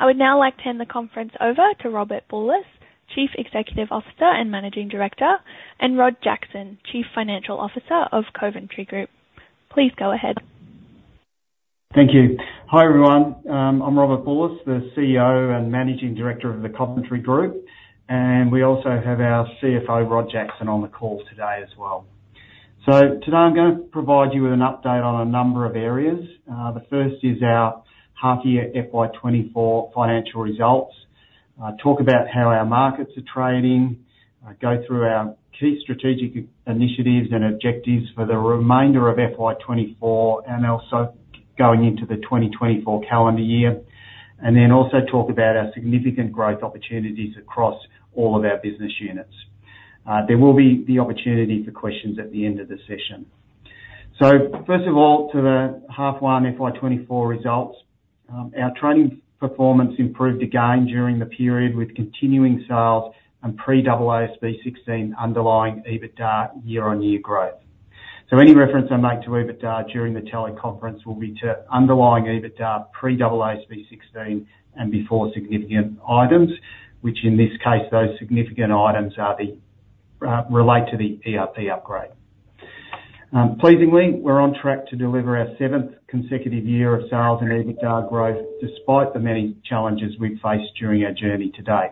I would now like to hand the conference over to Robert Bulluss, Chief Executive Officer and Managing Director, and Rod Jackson, Chief Financial Officer of Coventry Group. Please go ahead. Thank you. Hi everyone. I'm Robert Bulluss, the CEO and Managing Director of the Coventry Group, and we also have our CFO, Rod Jackson, on the call today as well. Today I'm going to provide you with an update on a number of areas. The first is our half-year FY2024 financial results, talk about how our markets are trading, go through our key strategic initiatives and objectives for the remainder of FY2024, and also going into the 2024 calendar year, and then also talk about our significant growth opportunities across all of our business units. There will be the opportunity for questions at the end of the session. First of all, to the H1 FY2024 results, our trading performance improved again during the period with continuing sales and pre-AASB 16 underlying EBITDA year-on-year growth. So any reference I make to EBITDA during the teleconference will be to underlying EBITDA pre-AASB 16 and before significant items, which in this case, those significant items relate to the ERP upgrade. Pleasingly, we're on track to deliver our seventh consecutive year of sales and EBITDA growth despite the many challenges we've faced during our journey today.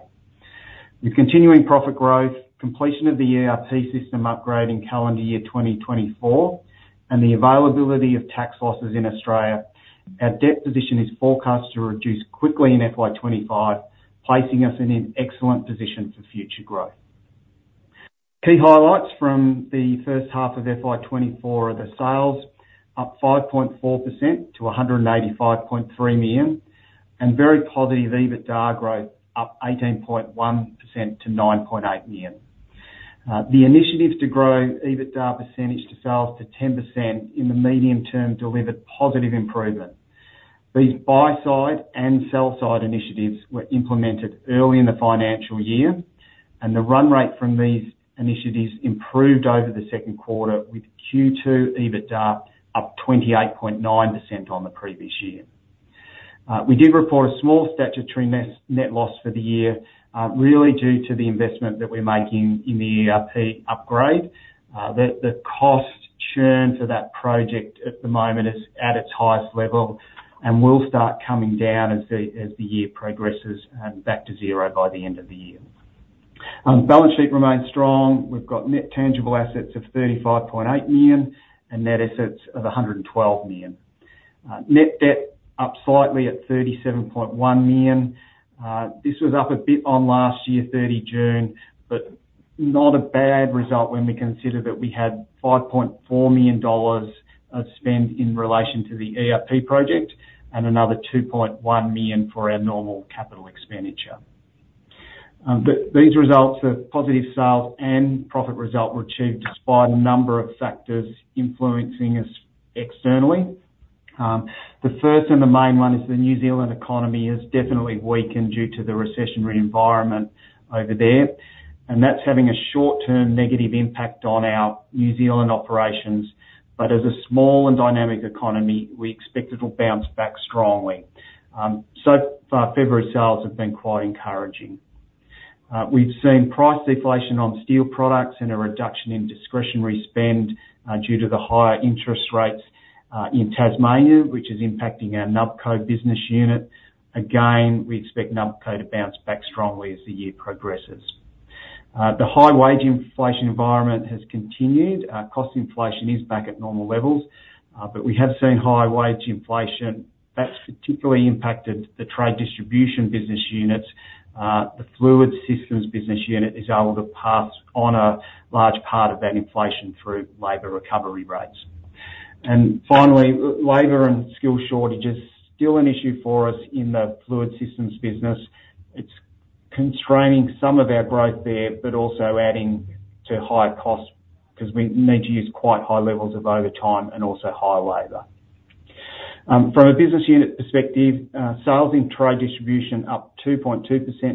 With continuing profit growth, completion of the ERP system upgrade in calendar year 2024, and the availability of tax losses in Australia, our debt position is forecast to reduce quickly in FY2025, placing us in an excellent position for future growth. Key highlights from the first half of FY2024 are the sales up 5.4% to 185.3 million, and very positive EBITDA growth up 18.1% to 9.8 million. The initiatives to grow EBITDA percentage to sales to 10% in the medium term delivered positive improvement. These buy-side and sell-side initiatives were implemented early in the financial year, and the run rate from these initiatives improved over the second quarter with Q2 EBITDA up 28.9% on the previous year. We did report a small statutory net loss for the year, really due to the investment that we're making in the ERP upgrade. The cost churn for that project at the moment is at its highest level and will start coming down as the year progresses back to zero by the end of the year. Balance sheet remains strong. We've got net tangible assets of 35.8 million and net assets of 112 million. Net debt up slightly at 37.1 million. This was up a bit on last year's 30th June, but not a bad result when we consider that we had 5.4 million dollars of spend in relation to the ERP project and another 2.1 million for our normal capital expenditure. These results of positive sales and profit result were achieved despite a number of factors influencing us externally. The first and the main one is the New Zealand economy has definitely weakened due to the recessionary environment over there, and that's having a short-term negative impact on our New Zealand operations. But as a small and dynamic economy, we expect it will bounce back strongly. So far, February sales have been quite encouraging. We've seen price deflation on steel products and a reduction in discretionary spend due to the higher interest rates in Tasmania, which is impacting our Nubco business unit. Again, we expect Nubco to bounce back strongly as the year progresses. The high wage inflation environment has continued. Cost inflation is back at normal levels, but we have seen high wage inflation. That's particularly impacted the Trade Distribution business units. The Fluid Systems business unit is able to pass on a large part of that inflation through labor recovery rates. Finally, labor and skill shortage is still an issue for us in the Fluid Systems business. It's constraining some of our growth there but also adding to high costs because we need to use quite high levels of overtime and also high labor. From a business unit perspective, sales in Trade Distribution up 2.2%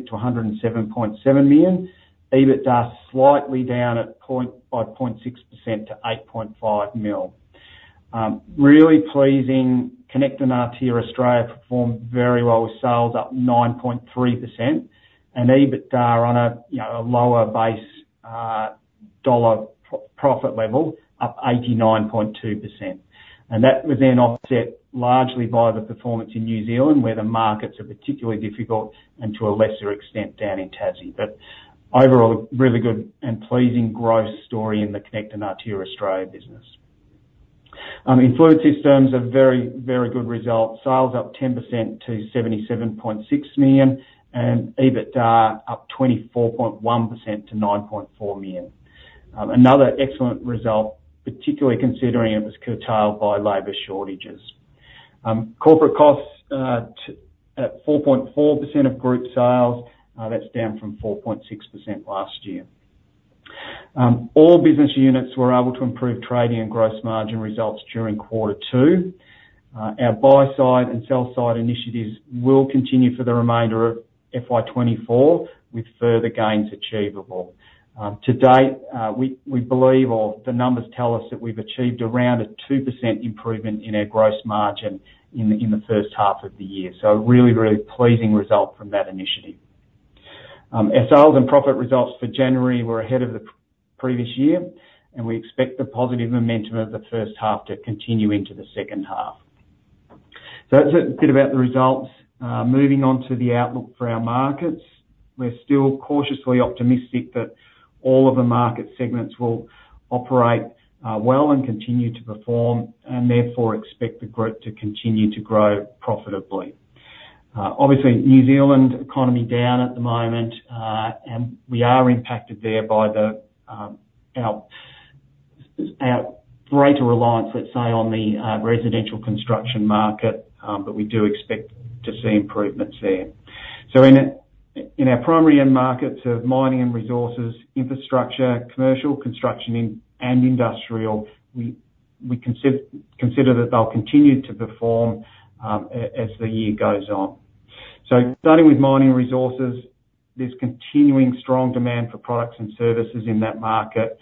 to 107.7 million. EBITDA slightly down at 0.6% to 8.5 million. Really pleasing, Konnect and Artia Australia performed very well with sales up 9.3% and EBITDA on a lower base dollar profit level up 89.2%. That was then offset largely by the performance in New Zealand where the markets are particularly difficult and to a lesser extent down in Tassie. Overall, really good and pleasing growth story in the Konnect and Artia Australia business. In Fluid Systems, a very, very good result. Sales up 10% to 77.6 million and EBITDA up 24.1% to 9.4 million. Another excellent result, particularly considering it was curtailed by labor shortages. Corporate costs at 4.4% of group sales. That's down from 4.6% last year. All business units were able to improve trading and gross margin results during quarter two. Our buy-side and sell-side initiatives will continue for the remainder of FY2024 with further gains achievable. To date, we believe, or the numbers tell us, that we've achieved around a 2% improvement in our gross margin in the first half of the year. So really, really pleasing result from that initiative. Our sales and profit results for January were ahead of the previous year, and we expect the positive momentum of the first half to continue into the second half. So that's a bit about the results. Moving on to the outlook for our markets, we're still cautiously optimistic that all of the market segments will operate well and continue to perform and therefore expect the group to continue to grow profitably. Obviously, New Zealand economy down at the moment, and we are impacted there by our greater reliance, let's say, on the residential construction market, but we do expect to see improvements there. So in our primary end markets of mining and resources, infrastructure, commercial, construction, and industrial, we consider that they'll continue to perform as the year goes on. So starting with mining resources, there's continuing strong demand for products and services in that market.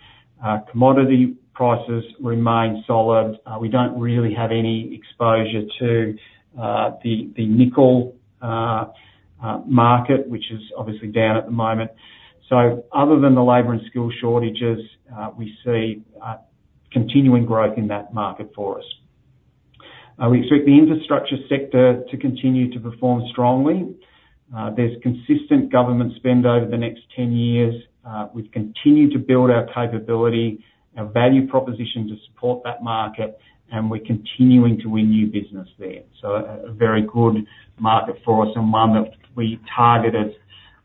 Commodity prices remain solid. We don't really have any exposure to the nickel market, which is obviously down at the moment. So other than the labor and skill shortages, we see continuing growth in that market for us. We expect the infrastructure sector to continue to perform strongly. There's consistent government spend over the next 10 years. We've continued to build our capability, our value proposition to support that market, and we're continuing to win new business there. So a very good market for us and one that we targeted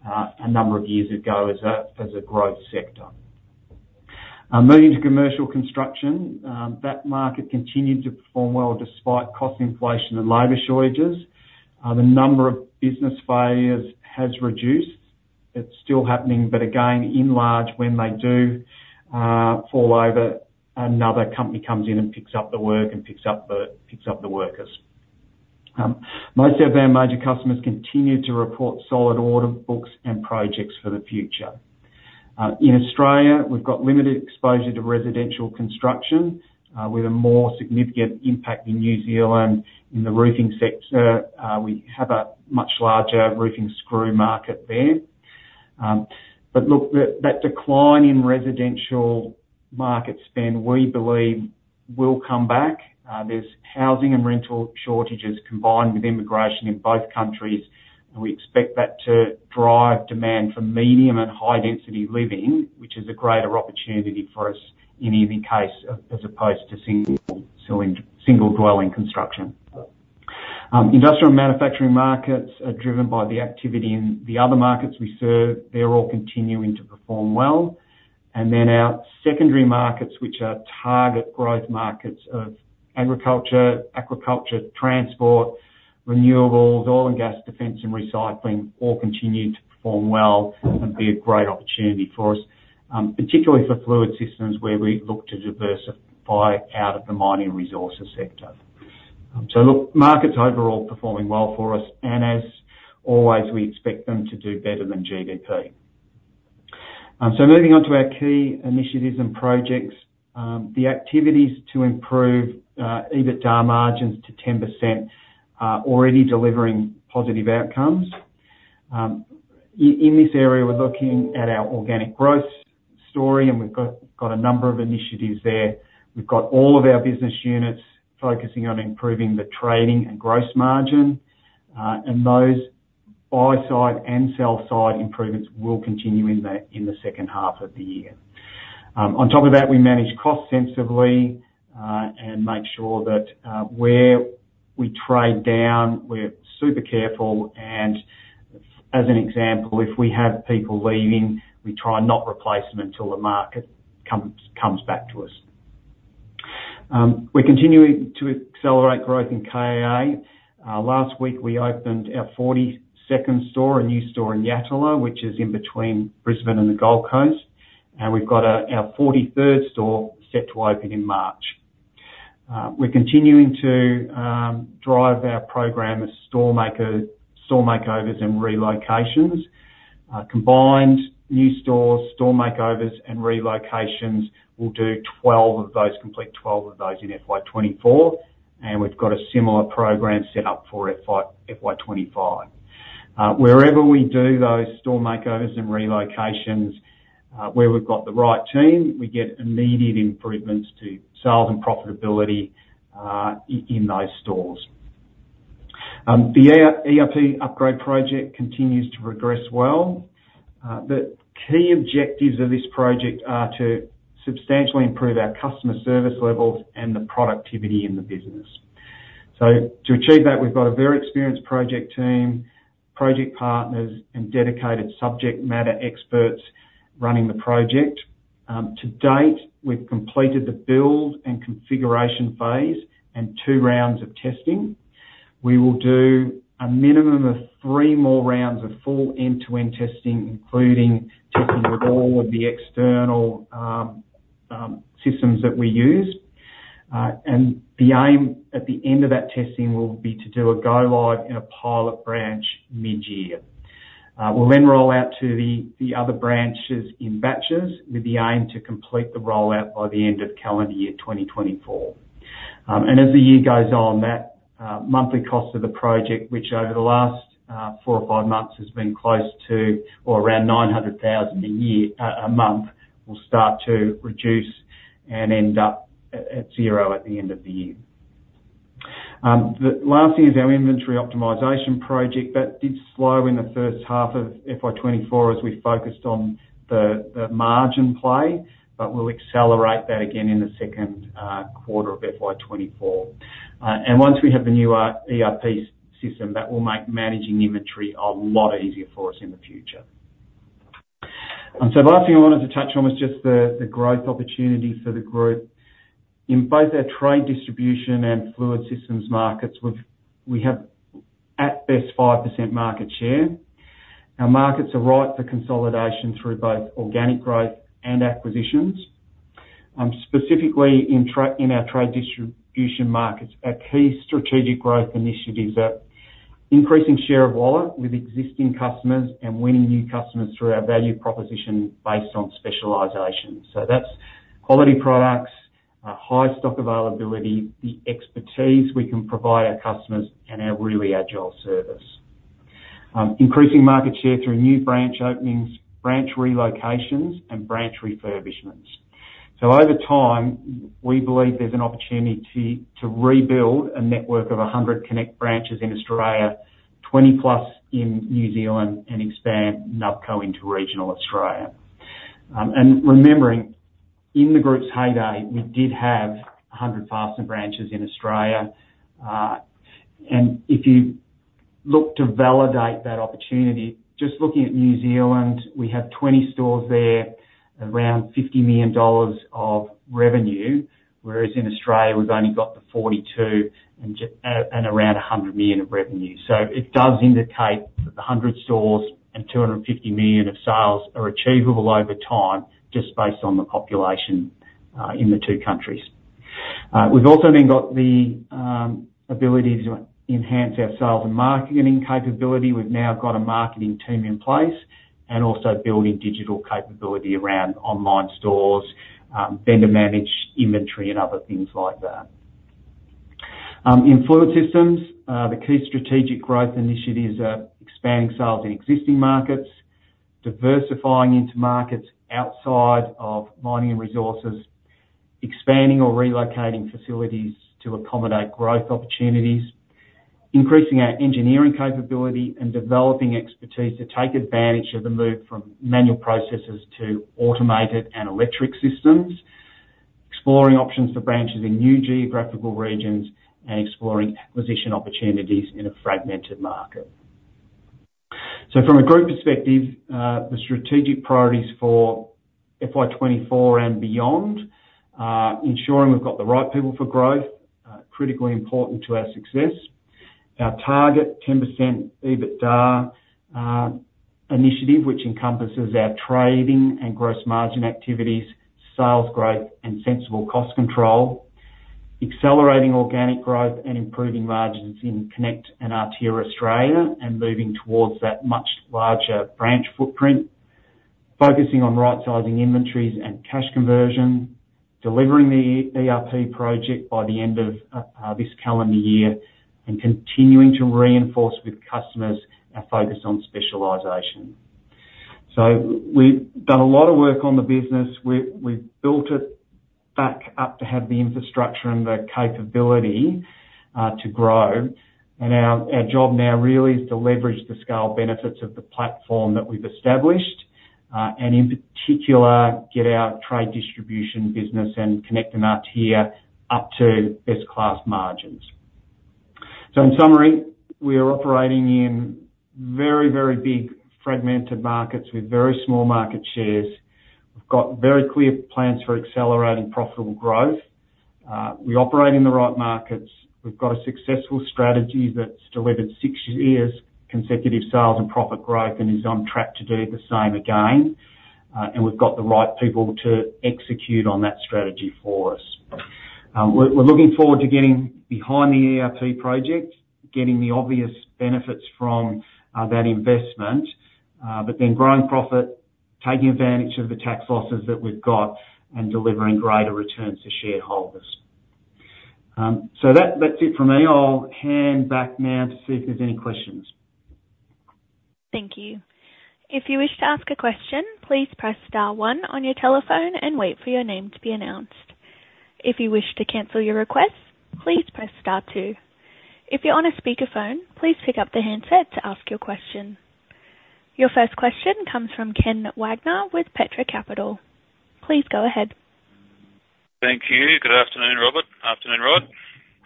a number of years ago as a growth sector. Moving to commercial construction, that market continued to perform well despite cost inflation and labor shortages. The number of business failures has reduced. It's still happening, but again, in large, when they do fall over, another company comes in and picks up the work and picks up the workers. Most of our major customers continue to report solid order books and projects for the future. In Australia, we've got limited exposure to residential construction with a more significant impact in New Zealand in the roofing sector. We have a much larger roofing screw market there. But look, that decline in residential market spend, we believe, will come back. There's housing and rental shortages combined with immigration in both countries, and we expect that to drive demand for medium and high-density living, which is a greater opportunity for us in any case as opposed to single-dwelling construction. Industrial and manufacturing markets are driven by the activity in the other markets we serve. They're all continuing to perform well. And then our secondary markets, which are target growth markets of agriculture, aquaculture, transport, renewables, oil and gas defense, and recycling, all continue to perform well and be a great opportunity for us, particularly for Fluid Systems where we look to diversify out of the mining resources sector. So look, markets overall performing well for us, and as always, we expect them to do better than GDP. So moving on to our key initiatives and projects, the activities to improve EBITDA margins to 10% are already delivering positive outcomes. In this area, we're looking at our organic growth story, and we've got a number of initiatives there. We've got all of our business units focusing on improving the trading and gross margin, and those buy-side and sell-side improvements will continue in the second half of the year. On top of that, we manage costs sensibly and make sure that where we trade down, we're super careful. As an example, if we have people leaving, we try and not replace them until the market comes back to us. We're continuing to accelerate growth in KAA. Last week, we opened our 42nd store, a new store in Yatala, which is in between Brisbane and the Gold Coast, and we've got our 43rd store set to open in March. We're continuing to drive our program of store makeovers and relocations. Combined new stores, store makeovers, and relocations will do 12 of those, complete 12 of those in FY2024, and we've got a similar program set up for FY2025. Wherever we do those store makeovers and relocations, where we've got the right team, we get immediate improvements to sales and profitability in those stores. The ERP upgrade project continues to progress well. The key objectives of this project are to substantially improve our customer service levels and the productivity in the business. So to achieve that, we've got a very experienced project team, project partners, and dedicated subject matter experts running the project. To date, we've completed the build and configuration phase and 2 rounds of testing. We will do a minimum of 3 more rounds of full end-to-end testing, including testing with all of the external systems that we use. The aim at the end of that testing will be to do a go-live in a pilot branch mid-year. We'll then roll out to the other branches in batches with the aim to complete the rollout by the end of calendar year 2024. As the year goes on, that monthly cost of the project, which over the last four or five months has been close to or around 900,000 a month, will start to reduce and end up at zero at the end of the year. The last thing is our inventory optimization project. That did slow in the first half of FY2024 as we focused on the margin play, but we'll accelerate that again in the second quarter of FY2024. Once we have the new ERP system, that will make managing inventory a lot easier for us in the future. So the last thing I wanted to touch on was just the growth opportunity for the group. In both our Trade Distribution and Fluid Systems markets, we have at best 5% market share. Our markets are ripe for consolidation through both organic growth and acquisitions. Specifically, in our Trade Distribution markets, our key strategic growth initiatives are increasing share of wallet with existing customers and winning new customers through our value proposition based on specialization. So that's quality products, high stock availability, the expertise we can provide our customers, and our really agile service. Increasing market share through new branch openings, branch relocations, and branch refurbishments. So over time, we believe there's an opportunity to rebuild a network of 100 Konnect branches in Australia, 20+ in New Zealand, and expand Nubco into regional Australia. And remembering, in the group's heyday, we did have 100 Fastener branches in Australia. If you look to validate that opportunity, just looking at New Zealand, we have 20 stores there, around 50 million dollars of revenue, whereas in Australia, we've only got the 42 and around 100 million of revenue. So it does indicate that the 100 stores and 250 million of sales are achievable over time just based on the population in the two countries. We've also then got the ability to enhance our sales and marketing capability. We've now got a marketing team in place and also building digital capability around online stores, vendor-managed inventory, and other things like that. In Fluid Systems, the key strategic growth initiatives are expanding sales in existing markets, diversifying into markets outside of mining and resources, expanding or relocating facilities to accommodate growth opportunities, increasing our engineering capability, and developing expertise to take advantage of the move from manual processes to automated and electric systems, exploring options for branches in new geographical regions, and exploring acquisition opportunities in a fragmented market. So from a group perspective, the strategic priorities for FY2024 and beyond, ensuring we've got the right people for growth, critically important to our success, our target 10% EBITDA initiative, which encompasses our trading and gross margin activities, sales growth, and sensible cost control, accelerating organic growth and improving margins in Konnect and Artia Australia, and moving towards that much larger branch footprint, focusing on right-sizing inventories and cash conversion, delivering the ERP project by the end of this calendar year, and continuing to reinforce with customers our focus on specialization. So we've done a lot of work on the business. We've built it back up to have the infrastructure and the capability to grow. And our job now really is to leverage the scale benefits of the platform that we've established and, in particular, get our Trade Distribution business and Konnect and Artia up to best-class margins. In summary, we are operating in very, very big fragmented markets with very small market shares. We've got very clear plans for accelerating profitable growth. We operate in the right markets. We've got a successful strategy that's delivered six years consecutive sales and profit growth and is on track to do the same again. We've got the right people to execute on that strategy for us. We're looking forward to getting behind the ERP project, getting the obvious benefits from that investment, but then growing profit, taking advantage of the tax losses that we've got, and delivering greater returns to shareholders. That's it from me. I'll hand back now to see if there's any questions. Thank you. If you wish to ask a question, please press star one on your telephone and wait for your name to be announced. If you wish to cancel your request, please press star two. If you're on a speakerphone, please pick up the handset to ask your question. Your first question comes from Ken Wagner with Petra Capital. Please go ahead. Thank you. Good afternoon, Robert. Afternoon, Rod.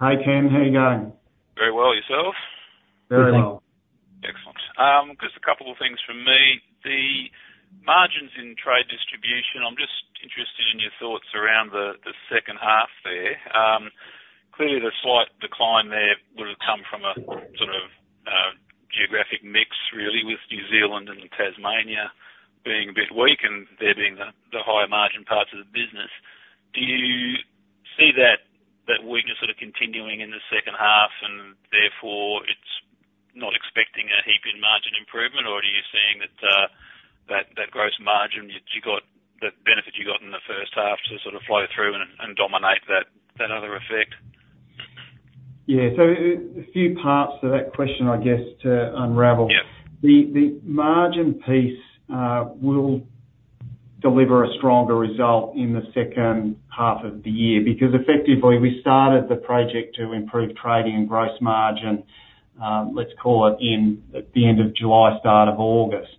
Hi, Ken. How are you going? Very well. Yourself? Very well. Excellent. Just a couple of things from me. The margins in Trade Distribution, I'm just interested in your thoughts around the second half there. Clearly, the slight decline there would have come from a sort of geographic mix, really, with New Zealand and Tasmania being a bit weak and there being the higher margin parts of the business. Do you see that weakness sort of continuing in the second half and, therefore, it's not expecting a heaping margin improvement, or are you seeing that gross margin, the benefit you got in the first half, to sort of flow through and dominate that other effect? Yeah. So a few parts to that question, I guess, to unravel. The margin piece will deliver a stronger result in the second half of the year because, effectively, we started the project to improve trading and gross margin, let's call it, in the end of July, start of August.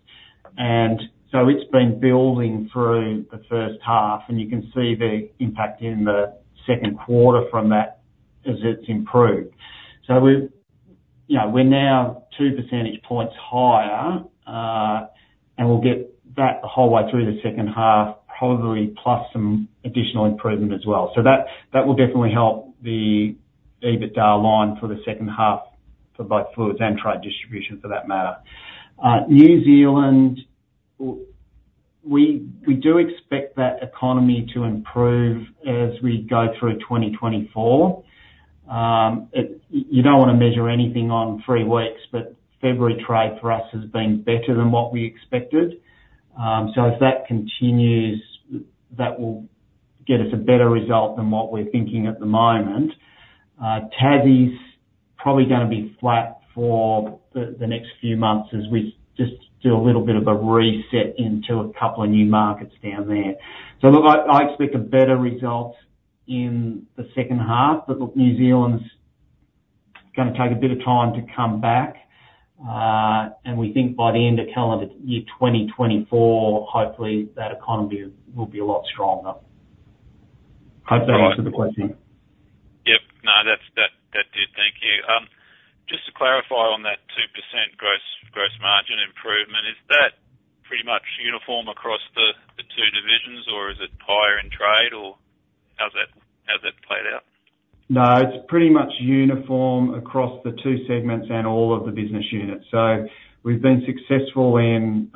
And so it's been building through the first half, and you can see the impact in the second quarter from that as it's improved. So we're now two percentage points higher, and we'll get that the whole way through the second half, probably plus some additional improvement as well. So that will definitely help the EBITDA line for the second half for both Fluids and Trade Distribution, for that matter. New Zealand, we do expect that economy to improve as we go through 2024. You don't want to measure anything on three weeks, but February trade for us has been better than what we expected. So if that continues, that will get us a better result than what we're thinking at the moment. Tassie's probably going to be flat for the next few months as we just do a little bit of a reset into a couple of new markets down there. So look, I expect a better result in the second half, but look, New Zealand's going to take a bit of time to come back. And we think by the end of calendar year 2024, hopefully, that economy will be a lot stronger. Hope that answered the question. Yep. No, that did. Thank you. Just to clarify on that 2% gross margin improvement, is that pretty much uniform across the two divisions, or is it higher in trade, or how's that played out? No, it's pretty much uniform across the two segments and all of the business units. So we've been successful in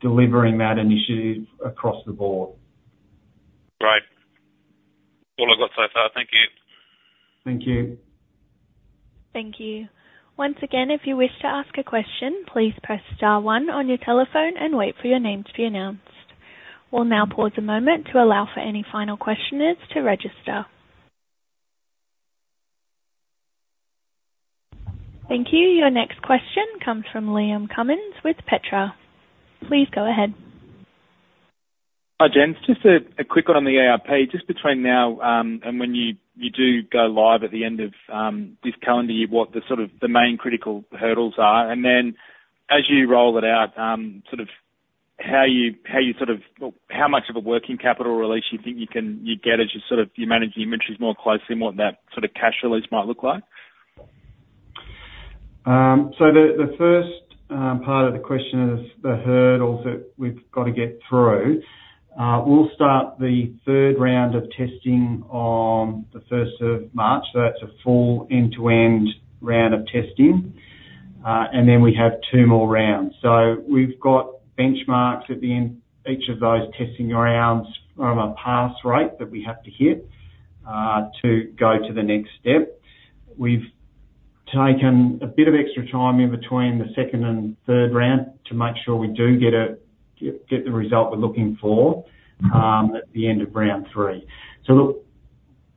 delivering that initiative across the board. Great. All I've got so far. Thank you. Thank you. Thank you. Once again, if you wish to ask a question, please press star one on your telephone and wait for your name to be announced. We'll now pause a moment to allow for any final questioners to register. Thank you. Your next question comes from Liam Cummins with Petra. Please go ahead. Hi, gents. It's just a quick one on the ERP. Just between now and when you do go live at the end of this calendar year, what the sort of the main critical hurdles are? And then as you roll it out, sort of how you sort of how much of a working capital release you think you get as you sort of you manage the inventories more closely and what that sort of cash release might look like. The first part of the question is the hurdles that we've got to get through. We'll start the third round of testing on the 1st of March. That's a full end-to-end round of testing. And then we have two more rounds. So we've got benchmarks at the end each of those testing rounds from a pass rate that we have to hit to go to the next step. We've taken a bit of extra time in between the second and third round to make sure we do get the result we're looking for at the end of round three. So look,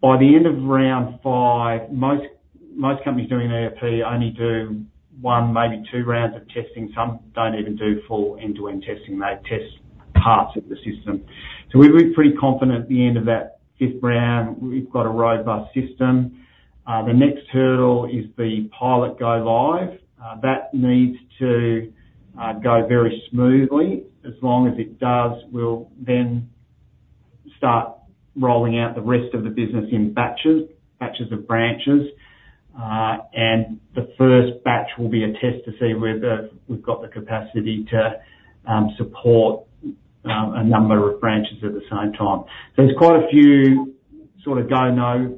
by the end of round five, most companies doing ERP only do one, maybe two rounds of testing. Some don't even do full end-to-end testing. They test parts of the system. So we're pretty confident at the end of that fifth round, we've got a robust system. The next hurdle is the pilot go live. That needs to go very smoothly. As long as it does, we'll then start rolling out the rest of the business in batches, batches of branches. And the first batch will be a test to see whether we've got the capacity to support a number of branches at the same time. So there's quite a few sort of go-no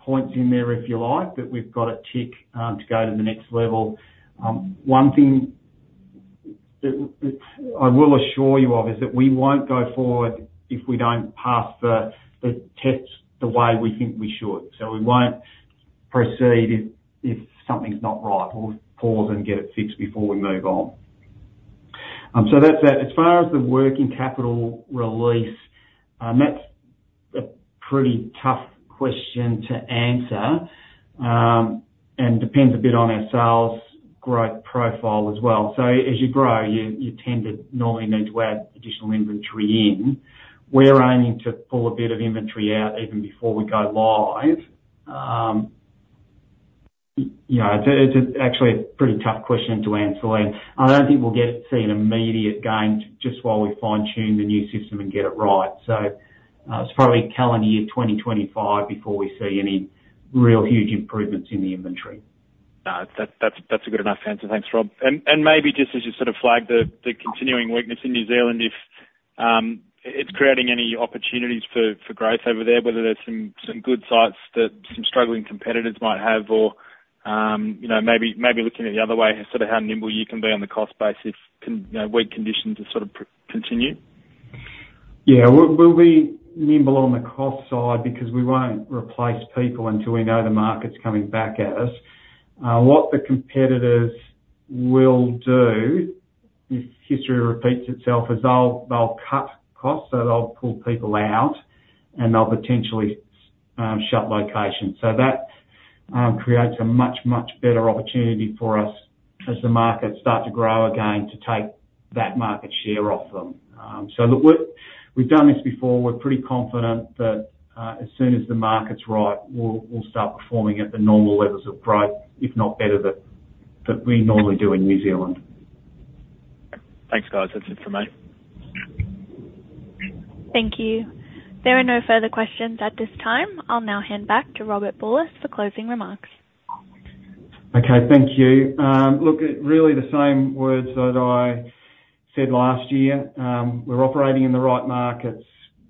points in there, if you like, that we've got to tick to go to the next level. One thing that I will assure you of is that we won't go forward if we don't pass the tests the way we think we should. So we won't proceed if something's not right. We'll pause and get it fixed before we move on. So that's that. As far as the working capital release, that's a pretty tough question to answer and depends a bit on our sales growth profile as well. So as you grow, you tend to normally need to add additional inventory in. We're aiming to pull a bit of inventory out even before we go live. It's actually a pretty tough question to answer. And I don't think we'll see an immediate gain just while we fine-tune the new system and get it right. So it's probably calendar year 2025 before we see any real huge improvements in the inventory. No, that's a good enough answer. Thanks, Rob. And maybe just as you sort of flagged the continuing weakness in New Zealand, if it's creating any opportunities for growth over there, whether there's some good sites that some struggling competitors might have or maybe looking at the other way, sort of how nimble you can be on the cost base if weak conditions sort of continue? Yeah. We'll be nimble on the cost side because we won't replace people until we know the market's coming back at us. What the competitors will do, if history repeats itself, is they'll cut costs. So they'll pull people out, and they'll potentially shut locations. So that creates a much, much better opportunity for us as the markets start to grow again to take that market share off them. So look, we've done this before. We're pretty confident that as soon as the market's right, we'll start performing at the normal levels of growth, if not better, that we normally do in New Zealand. Thanks, guys. That's it from me. Thank you. There are no further questions at this time. I'll now hand back to Robert Bulluss for closing remarks. Okay. Thank you. Look, really, the same words that I said last year. We're operating in the right markets.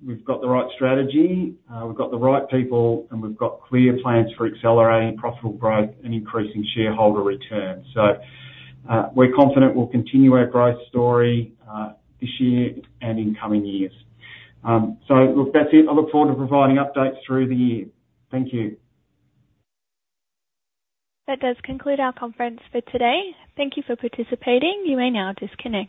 We've got the right strategy. We've got the right people, and we've got clear plans for accelerating profitable growth and increasing shareholder return. So we're confident we'll continue our growth story this year and in coming years. So look, that's it. I look forward to providing updates through the year. Thank you. That does conclude our conference for today. Thank you for participating. You may now disconnect.